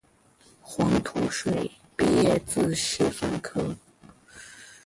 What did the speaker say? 黄土水毕业自师范科